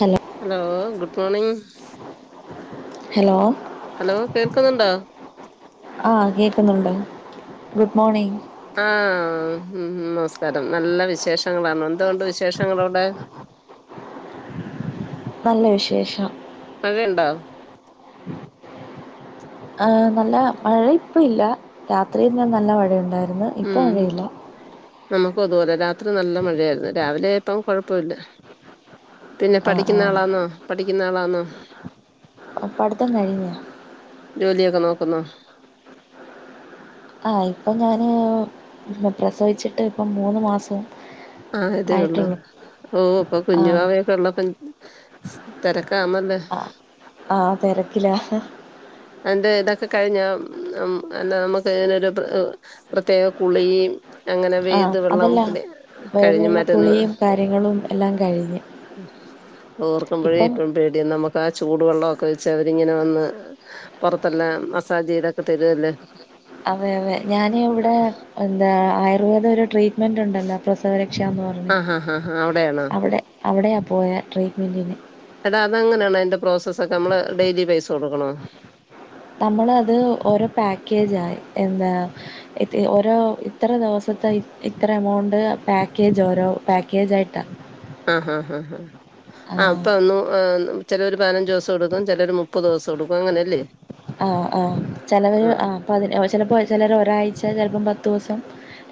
Hello hello good morning. Hello hello കേൾക്കുന്നുണ്ടോ. ആ കേൾക്കുന്നുണ്ട്. Good morning. ആഹ് ഉം നമസ്കാരം നല്ല വിശേഷങ്ങളാണ് എന്തോ ഒണ്ട് വിശേഷങ്ങളവിടെ. നല്ല വിശേഷം. മഴ ഉണ്ടോ? ആഹ് നല്ല മഴ ഇപ്പ ഇല്ല. രാത്രിയിൽ ഇന്ന് നല്ല മഴയുണ്ടായിരുന്നു ഇപ്പം ഉം മഴയില്ല നമുക്ക് അതുപോലെ രാത്രി നല്ല മഴയായിരുന്നു. രാവിലെ ആയപ്പം കൊഴപ്പമില്ല. പിന്നെ ആ ആ പഠിക്കുന്ന ആളാന്നോ പഠിക്കുന്ന ആളാന്നോ. അ പട്ത്തം കഴിഞ്ഞ ജോലിയൊക്കെ നോക്കുന്നോ ആഹ് ഇപ്പം ഞാൻ പ്രസവിച്ചിട്ട് ഇപ്പം മൂന്ന് മാസം ആയതേ ഉള്ളൂ. ആയിട്ടുള്ളൂ ഓ അപ്പൊ ആ കുഞ്ഞു വാവയോ? തെർളോകഞ്ഞ് തെരക്കാമ്മന്തെ ആ ആഹ് തെരക്കില. അന്റെ ഏതൊക്കെ കഴിഞ്ഞാ ഉം ഉം അന്ന നമുക്ക് [unintelligible] പ്രത്യേക കുളീം അങ്ങനെ ആ വെയ്ത് വെള്ളം അതല്ല പിന്നെ കഴിഞ്ഞ് വയറുള്ള മരുന്ന് കുളിയും കാര്യങ്ങളും എല്ലാം കഴിഞ്ഞ് ഓർക്കുമ്പോഴേ ഇപ്പം ഇപ്പഴും പേടിയ നമ്മക്ക് ആ ചൂടു വെള്ളെക്കെ വെച്ച് അവരിങ്ങനെ വന്ന് പൊറത്തല്ലാം മസാജ് ചെയ്തൊക്കെ തരുവല്ലെ അതെ അതെ ഞാനിവിടെ എന്താ ആയുർവേദ ഒരു ട്രീറ്റ്മെന്റെണ്ടല്ലോ പ്രസവരക്ഷ എന്ന് പറഞ്ഞ് ആ ഹാ ഹാ അവിടെണോ? അവിടെ അവിടെയാ പോയേ ട്രീറ്റ്മെന്റിന് എടാ അതെ എങ്ങനാണ്. അയിന്റെ പ്രോസസ് ഒക്കെ നമ്മള് ഡെയിലി പൈസ കൊടുക്കണോ? നമ്മളത് ഓരോ പാക്കേജ എന്താ ഇത് ഓരോ ഇത്ര ദിവസത്തെ ഇത്ര എമൗണ്ട് പാക്കേജ് ഓരോ പാക്കെജായിട്ടാ. ആഹ് ഹാ ഹ ഹ ആ ആഹ് പ്പൊന്ന് ചെലര് പതിനഞ്ച് സം എടുക്കും ചെലര് മുപ്പത് സം എടുക്കും. അങ്ങനെയല്ലേ? അ ആഹ് ചെലവര് ആ ചെലപ്പോ ചെലര് ഒരാഴ്ച ചെലപ്പം പത്തൂസം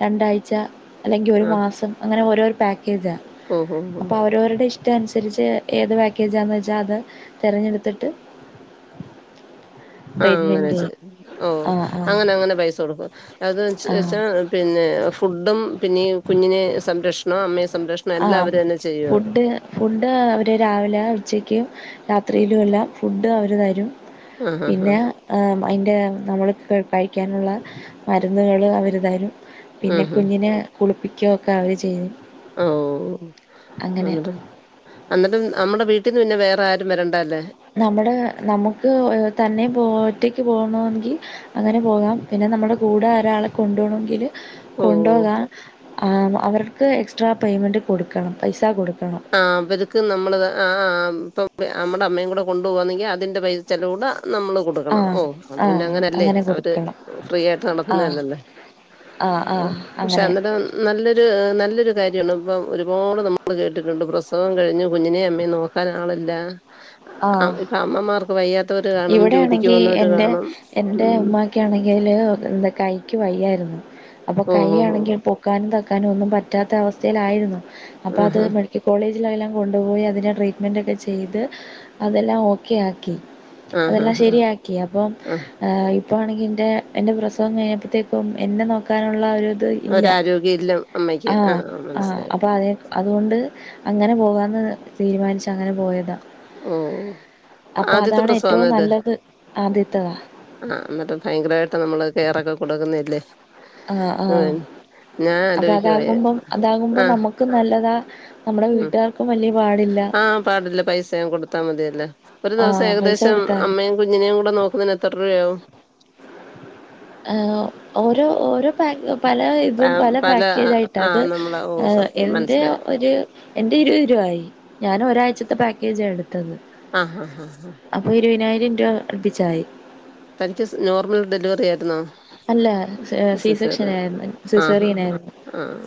രണ്ടാഴ്ച അല്ലെങ്കി ഒരു ആ മാസം അങ്ങനെ ഓരോര് പാക്കേജ ഓ ഹോ ഹോ അപ്പോ അവരോരുടെ ഇഷ് ഷ്ടന്സരിച്ച് ഏത് പാക്കേജാന്ന് വെച്ചാ അത് തെരഞ്ഞെട്ത്ത്ട്ട് ട്രീറ്റ്മെന്റ് ആങ്ങനെച്ചെ ഓ ആഹ് ആഹ് അങ്ങനെ അങ്ങനെ പൈസ കൊടുക്കും അത് ച്ച ആഹ് ച്ചാ പിന്നെ ഫുഡും പിന്നീകുഞ്ഞിനെ സംരക്ഷണം അമ്മയെ സംരക്ഷ് ആഹ് ഫുഡ് ഫുഡ് അവര് രാവിലെ ഉച്ചക്കു രാത്രിയിലു എല്ലാം ഫുഡ് അവര് തരും ആ ഹാ ഹാ പിന്നെ ആം അയിൻ്റെ നമ്മൾ കഴിക്കാനുള്ള മരുന്നുകൾ അവര് തരും. ആ പിന്നെ ഹാ കുഞ്ഞിനെ കുളിപ്പിക്കെക്ക അവര് ചെയ്യും ഓഹ് അങ്ങനെ അന്ന്ട്ട് അന്നിട്ട് ഉം അമ്മടെ വീട്ടീന്ന് പിന്നെ വേറ ആരും വരേണ്ടല്ലേ നമ്മടെ നമുക്ക് തന്നെ പോറ്റയ്ക്ക് പോണോങ്കി അങ്ങനെ പോകാം. പിന്നെ നമ്മടെ കൂടെ രാളെ കൊണ്ടു പോണോങ്കില് ഓ കൊണ്ടോകാം. ആ അവർക്ക് എക്സ്ട്രാ പേയ്മെൻറ് കൊടുക്കണം പൈസ കൊടുക്കണം. ആഹ് അവര്ക്ക് നമ്മള് ആഹ് ആഹ് പ്പ അമ്മടെ അമ്മയെങ്കുടെ കൊണ്ടു പോവാന്നെങ്കി അതിന്റെ പൈസ് ചെലൂട നമ്മള് കൊടു റണ ആഹ് ഓ അത് പിന്നെ ആഹ് അങ്ങനല്ലേ അങ്ങനെ അവര് കൊടുക്കണം ഫ്രീ ആയിട്ട് ആഹ് നടത്ത്ന്നെയല്ലല്ലേ. ആഹ് ആഹ് പക്ഷെ അങ്ങനെ എന്നിട്ട് നല്ലൊരു നല്ലൊരു കാര്യാണ് ഇപ്പ ഒരുപാട് നമ്മള് കേ ട്ടിട്ടുണ്ട് പ്രസവം കഴിഞ്ഞു കുഞ്ഞിനെ അമ്മേ നോക്കാൻ ആളില്ല ആഹ് ഇപ്പൊ അമ്മമാർക്ക് വയ്യാത്തവര് കാണും. ജോലിക്ക് ഇവിടെയാണെങ്കി വന്നവര് കാണും ഉം. ക്കിണങ്കിലെ കൈക് വയ്യായിരുന്നു അപ്പോ ഓ കൈ ഓ ഓ ആണെങ്കി പൊ ക്കാനും താക്കാനും ഒന്നും പറ്റാത്ത അവസ്ഥയിലായിരുന്നു അപ്പ അത് ആഹാ ഇ കോളേജിലെല്ലാം കൊണ്ടുപോയി അതിനെ ട്രീറ്റ്മെൻറ്ക്കെ ചെയ്ത് അതെല്ലാ ഓക്കെ ആക്കി ആഹാ അതെല്ലാം ഹാ ശരിയാക്കി അപ്പം ആ പ്പോ ആണെങ്കി ൻ്റെ എൻ്റെ പ്രസവം കഴിഞ്ഞപ്പത്തേക്കും എന്നെ നോക്കാനുള്ള ഒരു അത് ഇല്ല ഒരാരോഗ്യം ഇല്ല അമ്മയ്ക്ക്. ആഹ് ആഹ് മനസ്സിലായി. അപ്പൊ അതെ അതുകൊണ്ട് അങ്ങനെ പോകാന്ന് തീരുമാനിച്ച അങ്ങനെ പോയത. ഓഹ് അപ്പ ആദ്യത്തെ അതാണ് പ്രസവാന്നോ ഏറ്റവും ഇത്? നല്ലത് ആദ്യത്തതാ. ആഹ് എന്നിട്ട് ഭയങ്കരായിട്ട് നമ്മള് കെയറൊക്കെ കൊടുക്കുന്നെല്ലേ. ആഹ് ആഹ് അപ്പ ആലോചിക്കുവാ അതാകുമ്പം, അതാകുമ്പോ ആഹ് നമുക്കും നല്ലതാ നമ്മുടെ ഉം വീട്ടുകാർക്കും വലിയ പാടി ആഹ് പാടില്ല പൈസയും കൊടുത്താ മതിയല്ലേ ഒരു ആ ദിവസം പൈസ ഏകദേശം കൊടുത്താ മതി. അമ്മയേം കുഞ്ഞിനേയും കൂട നോക്കുന്നതിന് എത്ര രൂപയാവും? ആ ഓരോ ഓരോ പാക്ക് പല ഇതും പല പാക്കേജായിട്ടാ അത് ആഹ് നമ്മളെ ഓഹ് സത്യം എൻ്റെ മനസ്സിലായി. ഒരു എൻ്റെ ഇരുവത് രുവായി ഞാന് ഒരാഴ്ചത്തെ പാക്കേജാ എടുത്തത്. ആ ഹ ഹ ഹ അപ്പോ ഇരുപതിനായിരം രൂപ അടുപ്പിച്ചായി തനിക്ക് സ് നോർമൽ ഡെലിവറി ആയിരുന്നോ? അല്ല സിസേറിയൻ സീസെക്ഷനായിര്ന്ന്. ആഹ് ആഹ് ആഹ് സിസേറിയനായിര്ന്ന്. ആഹ്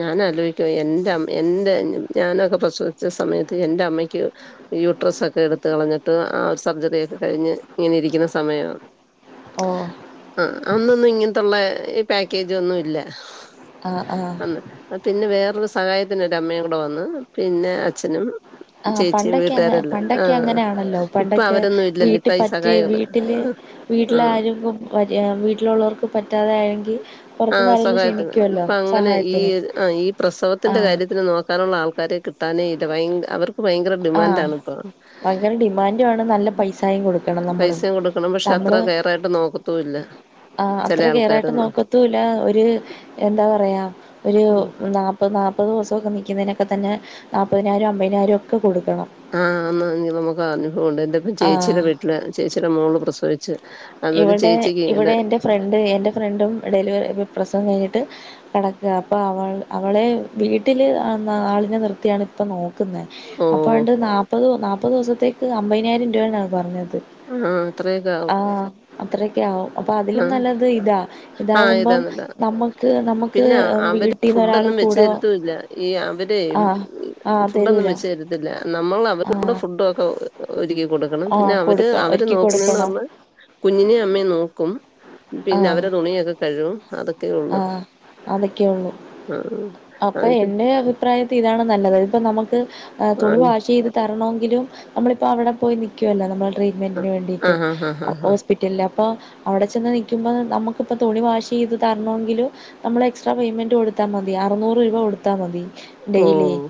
ഞാൻ ആലോചിക്കുവാ എന്റെ, എന്റെ ഞാനൊക്കെ പ്രസവിച്ച സമയത്ത് എന്റെ അമ്മയ്ക്ക്. യൂട്രസക്കെ എടുത്ത് കളഞ്ഞിട്ട് ആ സർജറി ഒക്കെ കഴിഞ്ഞ് ഇങ്ങനെ ഇരിക്കുന്ന സമയാണ്. ഓ ആ അന്നൊന്നും ഇങ്ങനത്തുള്ള ഈ പാക്കേജൊന്നും ഇല്ല ആഹ് ആഹ് അന്ന് പിന്നെ വേറൊരു സഹായത്തിന് ഒരു അമ്മയും കൂടെ വന്ന് പിന്നെ അച്ഛനും ആ ചേച്ചിയും പണ്ടൊക്കെ അങ്ങ വീട്ടുകാരെല്ലാം ആ പണ്ടൊക്കെ അങ്ങനെയാണല്ലോ ഇപ്പൊ പണ്ടൊക്കെ അവരൊന്നും ഇല്ലല്ലോ വീട്ടി ഇപ്പൊ ഈ പറ്റി വീ സഹായികള് വീട്ടില് ആ വീട്ടിലാരക്കും വീട്ടിലൊള്ളോർക്ക് പറ്റാതായെങ്കി ആഹ് സഹായത്തിന് ഇപ്പൊ അങ്ങനെ ഈ, ഈ പ്രസവത്തിന്റെ ആഹ് കാര്യത്തിന് നോക്കാനുള്ള ആൾക്കാരെ കിട്ടാനേ ഇല്ല ഭയ അവർക്ക് ഇപ്പ ഭയങ്കര ഡിമാൻഡ് ആഹ് ആണിപ്പോ ഭയങ്കര ഡിമാൻഡും ആണ് നല്ല പൈസായും കൊടുക്കണം പൈസ നമ്മള് പൈസേം കൊടുക്കണം പക്ഷെ അത്ര നമ്മള് കെയറായിട്ട് നോക്കത്തൂല്ല. ആ അത്ര കെയറായിട്ട് നോക്കത്തൂല്ല ഒരു എന്താ പറയാ ഒരു ഉം നാ ഇപ്പ നാപ്പത് ദെവസൊക്കെ നിക്കുന്നേനക്ക തന്നെ നാപ്പതിനായിരം അമ്പയിനായിരം ഒക്ക കൊടുക്കണം. ആഹ് അന്ന് നമുക്ക് അനുഭവണ്ട് എന്റെത് ആ ചേച്ചിടെ വീട്ടില് ചേച്ചീടെ മോള് പ്രസവിച്ച്. അതൊരു ഇവിടെ, ചേച്ചിക്ക് ഇങ്ങനെ ഇവിടെൻ്റെ ഫ്രണ്ട് എൻ്റെ ഫ്രണ്ടും ഡെലിവ പ്രസവം കഴിഞ്ഞിട്ട് കെടക്കാ അപ്പൊ അവൾ അവളെ വീട്ടില് ആളിനെ നിർത്തിയാണ് ഇപ്പ നോക്കു നിക്കുന്നേ ഓ അപ്പോഴ്ണ്ട് നാപ്പത്, നാപ്പത് ദിവസത്തേക്ക് അമ്പതിനായിരന്റുവേണ് അന്ന് പറഞ്ഞത്. ആ അത്രേക്ക ആവും. അത്രക്കെ ആവും. അപ്പൊ അതിലും ആഹ് നല്ലത് ഇതാ ആഹ് ഇതാകുമ്പം ഇതാന്നില്ല നമുക്ക് നമുക്ക് പിന്നെ അവര് വീട്ട ഫുഡൊന്നും വെച്ചു തരത്തൂല്ല. ഈ അവരെ ആഹ് ആഹ് ഫുഡൊന്നും തരൂല വെച്ച് തരത്തി ല്ല നമ്മൾ അവർക്കൂടെ ആഹ് ഫുഡൊക്കെ ഒരുക്കി കൊടുക്ക ആഹ് പിന്നെ അവര്, കൊടുക്ക അവര് ഒരുക്കി നോക്കുന്നെന്ന് കൊടുക്കണം പറഞ്ഞ. കുഞ്ഞിനേം അമ്മയേം നോക്കും പിന്നെ ആഹ് അവരെ തുണിയൊക്കെ കഴുവും അതൊക്കെ ഉള്ളു ആഹ് അതൊക്കെള്ളു ആഹ് അപ്പൊ എന്റെ അഭി അഭിപ്രായത്തി ഇതാണ് നല്ലത് ഇപ്പൊ നമുക്ക് തുണി ആഹ് വാഷ് ചെയ്ത് തരണോങ്കിലും നമ്മളിപ്പോ അവിടെ പോയി നി നിക്കോലോ നമ്മള് ട്രീറ്റ്മെന്റിന് വേണ്ടിട്ട് ആഹ് ആഹ് ആഹ് അപ്പൊ ആഹ് ആഹ് ഹോസ്പി പിറ്റലിൽ അപ്പൊ അവിടെ ചെന്ന് നിക്കുമ്പോ നമ്മക്കിപ്പൊ തുണി വാഷേയ്ത് തരണോങ്കിലും നമ്മള് എക്സ്ട്രാ പേയ്മെന്റ് കൊടുത്താ മതി അറൂന്നൂറ് രൂപ കൊടുത്താ മതി. ഡെയിലി ഓഹ്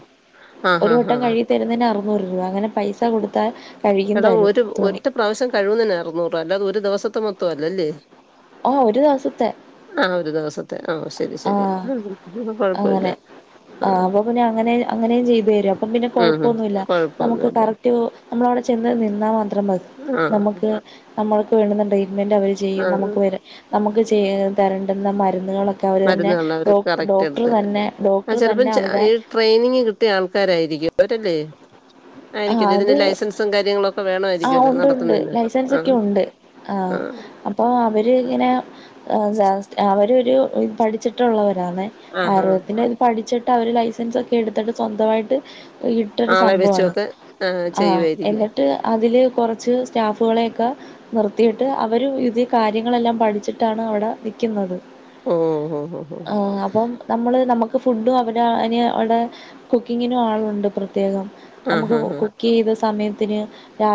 ആഹ് ഒരു ആഹ് വട്ടം ആഹ് കഴുകി തരുന്നതിന് അറുന്നൂറ് രൂപ അങ്ങനെ പൈസ കൊടുത്താൽ കഴുകിയും എടാ തരും ഒരു തുണി. ഒറ്റ പ്രാവശ്യം കഴിവുന്നതിന് അറുന്നൂറ് അല്ലാതെ ഒരു ദിവസത്തെ മൊത്തം അല്ലല്ലേ. ആഹ് ഒരു ദിവസത്തെ. ആഹ് ഒരു ദിവസത്തെ ആഹ് ശെരി, ശെരി ആഹ് അതൊന്നും കൊഴപ്പല്ല. ആ അപ്പൊ പിന്നെ അങ്ങനെ അങ്ങനെയും ചെയ്തു തരും അപ്പൊ പിന്നെ ഉം കൊഴപ്പൊന്നൂല്ല നമുക്ക് കൊഴപ്പൊന്നുമില്ല കറക്റ്റ്. നമ്മള അവിടെ ചെന്ന് നിന്നാ മാത്രം മതി ആഹ് നമുക്ക് നമ്മൾക്ക് വേണ്ടുന്ന ട്രീറ്റ്മെന്റ് അവര് ചെയ്യും ആഹ് നമുക്ക്, നമുക്ക് ചെയ്യേ തരേണ്ടുന്ന മരുന്നുകളൊ അവര്തന്നെ മരുന്നുകൾ ഡോ, അവര് കറക്റ്റ് ഡോക്ടർ എടുത്ത് തരും തന്നെ ഡോക്ടർ അത് ചിലപ്പം തന്നെ, ച- അവിടെ ഈ ട്രെയിനിങ് കിട്ടിയ ആൾക്കാരായിരിക്കും അവരല്ലേ. ആഹ് ആയിരിക്കില്ല, ഇതിന് അത് ലൈസൻസും കാര്യങ്ങളൊക്കെ ആഹ് വേണമായിരിക്കുല്ലോ ഉണ്ട് ഉണ്ട് നടത്തുന്നെ ലൈസൻസ് ഒക്കെ ആഹ്. ഉണ്ട് ആഹ് ആം ഓ അവരിങ്ങനെ എന്താ അവരൊരു പഠിച്ചിട്ടുള്ള വരാന്നെ. ആഹ് ആഹ് ആയുർവേദത്തിന്റെ ഇത് പഠിച്ചിട്ട് അവര് ലൈസൻസ് ഒക്കെ എടുത്തിട്ട് സ്വന്തമായിട്ട്. ഇട്ടൊരു ആളെ സംഭവവാണ് വെച്ചുമൊക്കെ ആഹ് ചെയ്യുമായിരിക്കും എന്നി ട്ട് അതില് കുറച്ച് സ്റ്റാഫുകളെയൊക്കെ. നിർത്തിയിട്ട് അവര് ഇത് കാര്യങ്ങളെല്ലാം പഠിച്ചിട്ടാണ് അവിടെ നിക്കുന്നത്. ഓഹ് ഓഹ് ഓഹ് ഓഹ് ആഹ് അപ്പം നമ്മള് നമുക്ക് ഫുഡും അവിടെ അയിന് അവിടെ കുക്കിംഗിനും ആളുണ്ട് പ്രത്യേകം. നമുക്ക് കുക്ക് ചെയിത സമയത്തിന്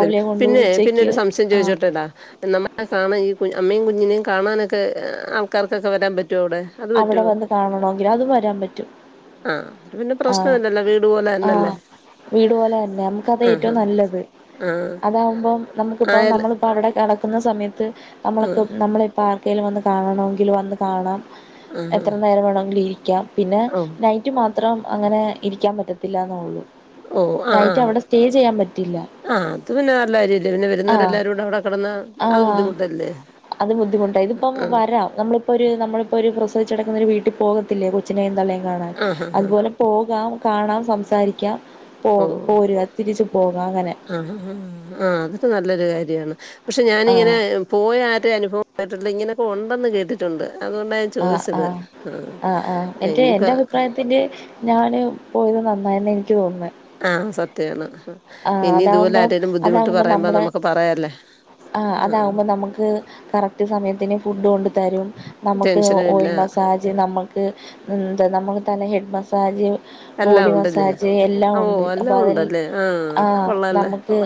ത്തിൽ കൊണ്ട് പിന്നെ പിന്നെ ഉച്ചക്ക് ഒരു സംശയം ആ ചോദിച്ചോട്ടെടാ നമ്മള്. ആഹ് സാനം ഈ കു അമ്മയും കുഞ്ഞിനെയും കാണാനൊക്കെ ആൾക്കാർക്കൊക്കെ വരാൻ പറ്റുവോ അവിടെ. അത് അവിടെ പറ്റുവോ വന്ന് കാണണമെങ്കിൽ അതു വരാൻ പറ്റു. ആഹ് അത് പിന്നെ. ആഹ് പ്രശ്നമില്ലല്ലോ വീട് പോലെ തന്നല്ലേ ആഹ് വീട് പോലെ തന്നെ നമുക്കത് ആ ഹാ ഏറ്റവും നല്ലത് ആ അതാവുമ്പോ നമുക്കിപ്പം ആയല്ല നമ്മളിപ്പോ അവിടെ കിടക്കുന്ന സമയത്ത് ആ നമ്മൾക്ക് നമ്മള് ഇപ്പൊ. ഇപ്പൊ ആർക്കേലും വന്നു കാണണമെങ്കിൽ വന്ന് കാണാം, ആ ഹാ എത്ര നേരം വേണമെങ്കിൽ ഇരിക്കാം. പിന്നെ ഓ നൈറ്റ് മാത്രം അങ്ങനെ ഇരിക്കാൻ പറ്റത്തില്ല എന്നേയുള്ളൂ. ഓ നൈറ്റ്‌ അവിടെ സ്റ്റേ ചെയ്യാൻ പറ്റില്ല. ആഹ് അത് പിന്നെ നല്ല കാര്യല്ലേ പിന്നെ ആഹ് വരുന്നൊരല്ലാരൂടി അവിടെ കിടന്നാ അത് ആഹ് ബുദ്ധിമുട്ടല്ലേ അത് ബുദ്ധിമുട്ടായി ഇതിപ്പോ ആ വരാം നമ്മള്. ഇപ്പൊരു നമ്മളിപ്പോ ഒരു പ്രസവിച്ചു കിടക്കുന്ന ഒരു വീട്ടിൽ പോകത്തില്ലേ, കൊച്ചിനെയും തള്ളയും കാണാൻ. ആ ഹാ ഹാ അതുപോലെ പോകാം കാണാം സംസാരിക്കാം പോ ഓ പോരുക, തിരിച്ചു പോകാം അങ്ങനെ. ആഹ് ആഹ് അതൊക്കെ നല്ലൊരു കാര്യമാണ് പക്ഷെ ഞാനിങ്ങനെ ആഹ് പോയാ ആരേ അനുഭവം കേട്ടിട്ടില്ല, ഇങ്ങനൊക്കെ ഉണ്ടെന്ന് കേട്ടിട്ടുണ്ട് അതുകൊണ്ടായി. ആഹ് ആഹ് ആഹ് ആഹ് എന്റെ ഇനിയിപ്പ എന്റെ അഭിപ്രായത്തിന്റെ. ഞാന് പോയത് നന്നായെന്ന് എനിക്ക് തോന്നുന്നു. ആഹ് സത്യമാണ്. ആഹ് അതാവുമ്പോ അതാവുമ്പോ നമ്മടെ, നമുക്ക് പറയാല്ലേ ആഹ് അതാവുമ്പോ നമുക്ക്. കറക്റ്റ് സമയത്തിന് ഫുഡ് കൊണ്ട് തരും നമുക്ക് ടെൻഷനും ഇല്ല ഓയിൽ മസാജ നമുക്ക് എന്താ നമുക്ക് തല ഹെഡ് മസാജ്. എല്ലാം ബോഡി ഉണ്ടല്ലേ മസാജ് എല്ലാ ഓഹ് ഒണ്ട്, അപ്പൊ എല്ലാം അതിൽ ഉണ്ടല്ലേ ആഹ് കൊള്ളാല്ലേ നമുക്ക്.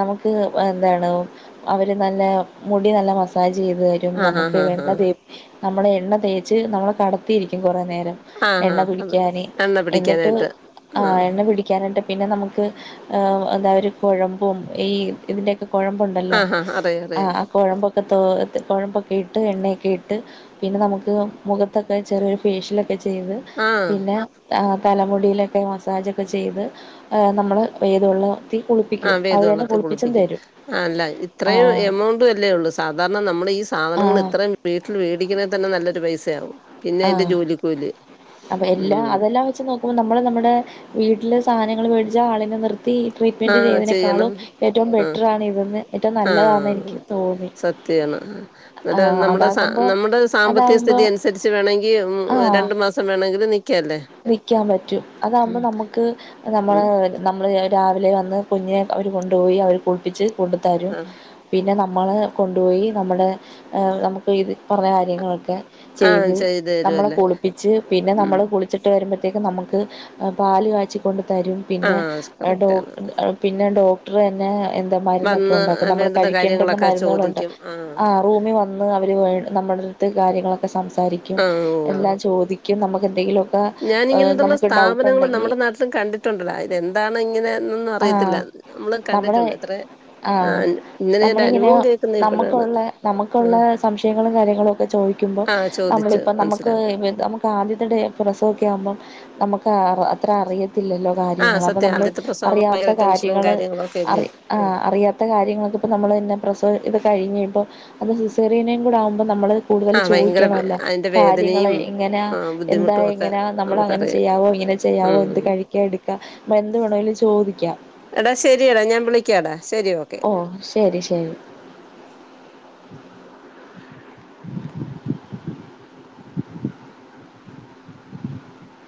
നമുക്ക് എന്താണ് അവർ നല്ല മുടി നല്ല മസാജ് ചെയ്ത് തരും രും ആഹ് നമുക്ക് ആഹ് ആഹ് എണ്ണ ആഹ് തേച്ചു നമ്മ ബ് എണ്ണ തേച്ച് നമ്മള് കടത്തിയിരിക്കും കുറേ നേരം ആഹ് എണ്ണ ആഹ് അത് പിടിക്കാന് എണ്ണ എന്നിട്ട് പിടിക്കാനായിട്ട് ആഹ് എണ്ണ പിടി ക്യാനുണ്ട് പിന്നെ നമുക്ക് എന്താ ഒരു കുഴമ്പും ഈ ഇതി്ന്റൊക്കെ കുഴമ്പും ഉ ഉണ്ടാലോ, ആഹ് ആഹ് അറിയാം അറിയാം ആഹ് ആഹ് കുഴമ്പ് ഒക്കെ തോ കുഴമ്പൊക്കെ ഇട്ട് എണ്ണയൊക്കെ ഇട്ട്. പിന്നെ നമുക്ക് മുഖത്തൊക്കെ ചെറിയൊരു ഫേഷ്യൽ ഒക്കെ ചെയ്ത്. ആഹ് പിന്നെ തലമുടിയിലൊക്കെ മസാജൊക്കെ ചെയ്ത് നമ്മള് വേദയുള്ള ആഹ് വേദവെള്ളത്തിൽ കുളിപ്പിക്കും. ആഹ് അല്ലെ ആ ഇത്രയും എമൗണ്ട് അല്ലെയുള്ളൂ സാധാരണ നമ്മള് ഈ ആ സാധനങ്ങൾ ഇത്രയും. വീട്ടിൽ മേടിക്കണം തന്നെ നല്ലൊരു പൈസയാവും. പിന്നെ അയിന്റെ ആഹ് ജോലിക്കൂലി അപ്പൊ എല്ലാ ഉം അതെല്ലാം വെച്ച് നോക്ക ക്കുമ്പോ നമ്മള് നമ്മുടെ വീട്ടില് സാധനങ്ങള് മേടിച്ചാ ആളിനെ നിർത്ത ത്തി ട്രീറ്റ്മെന്റ് ആഹ് ചെയ്യണം ചെയ്യുന്നതിനേക്കാളും ഏറ്റവും ആഹ് ബെറ്ററാണ് ഇതെന്ന് ഏറ്റവും നല്ലതാണ് ആഹ് എനിക്ക്. തോന്നി സത്യാണ് ആ ന്നിട്ട് നമ്മുടെ അതാകുമ്പോൾ നമ്മുടെ സാമ്പത്തിക അതാകുമ്പോൾ സ്ഥിതി അനുസ അനുസരിച്ച് വേണമെങ്കിൽ ഉം ആ രണ്ടു മാസം വേണമെങ്കിലും നിക്കല്ലേ. നിക്കാൻ പറ്റും, അതാകുമ്പോ ഉം നമുക്ക് നമ്മടെ. ഉം നമ്മൾ രാവിലെ വന്ന് കുഞ്ഞെ അവര് കൊണ്ടുപോയി അവര് കുളിപ്പിച്ച് കൊണ്ടുത്തരും ആഹ് പിന്നെ നമ്മള് കൊണ്ടുപോയി നമ്മുടെ ഏഹ് നമുക്ക് ഇത് പറഞ്ഞ കാര്യങ്ങളൊക്കെ ആഹ് ചെയ്ത് ചെയ്ത നമ്മളെ കുളിപ്പിച്ച് പിന്നെ നമ്മള് കുളിച്ചിട്ട് വരുമ്പോത്തേക്കും നമുക്ക് പാല് കാച്ചിക്കൊണ്ട് തരും പിന്നെ ആഹ് ഡോ കറക്റ്റാണ് ആഹ് പിന്നെ ഡോക്ടറ് തന്നെ എന്താ മരുന്നൊക്കെ വന്ന് ഒണ്ടാക്കും നമ്മള് വേണ്ടുന്ന കഴിക്കേണ്ടുന്ന കാര്യങ്ങളൊക്കെ മരുന്നുകളുണ്ട് ചോദിക്കും ആഹ് റൂമിൽ വന്ന് അവര് നമ്മളുടെ അടുത്ത് കാര്യങ്ങളൊക്കെ ക്ക സംസാരിക്കും ആഹ് എല്ലാം ചോദിക്കും നമുക്ക് എന്തെങ്കിലുവൊ ഞാനിങ്ങനത്തുള്ള സ്ഥാപനങ്ങള് നമ്മുടെ നാട്ടിലും കണ്ടിട്ടുണ്ടടാ ഇതെന്താണ് ഇങ്ങനെ എന്നൊന്നും അറിയത്തില്ല ആഹ് നമ്മള് നമ്മുടെ കണ്ടിട്ടുണ്ട് ഇത്രേ ആഹ് നമ്മളിങ്ങനെ ഇപ്പോഴാണ് നമുക്കുള്ള ആ നമുക്കുള്ള സംശയങ്ങളും കാര്യങ്ങളും ഒക്കെ ചോദിക്ക ക്കുമ്പം ആ ചോദിച്ച് നമ്മളിപ്പ നമുക്ക് മനസ്സിലാക്കുക ഏഹ് നമു പ്പാദ്യത്തെ ഡേ പ്രസവൊക്കെ ആവുമ്പം നമുക്ക് ആറാ അത്ര അറിയത്തില്ലല്ലോ ആ കാര്യങ്ങള് അപ്പൊ സത്യം നമ്മള് ആദ്യത്തെ പ്രസവം യാത്ത ഭയങ്കര ടെൻഷനും കാര്യങ്ങള് കാര്യങ്ങളും ഒക്കെ അല്ലേ അറി ഉം. ആഹ് അറിയാത്ത കാര്യങ്ങളൊക്കെ ഇപ്പോൾ നമ്മൾ തന്നെ പ്രസവം ഇത് കഴിഞ്ഞ ഇപ്പോൾ അത് സിസേറിയനേം കൂടെ ആകുമ്പം നമ്മള് ആ കൂടുതല് ഭയങ്കര ചോദിക്കണം വേ- ല്ലേ അതിന്റെ കാര്യങ്ങള് വേദനയും എങ്ങനാ ആ, എന്താ ബുദ്ധിമുട്ടും ഒക്കെ എങ്ങനാ നമ്മളങ്ങനെ നമുക്കറിയാം ചെയ്യാവോ ഇങ്ങനെ ചെയ്യാവോ എന്ത് ഉം. കഴിക്കാ എടുക്ക എന്ത് വേണ ചോ എടാ ശരിയടാ ഞാൻ വിളിക്കാടാ ശരി ഓക്കെ ഓ ശരി ശരി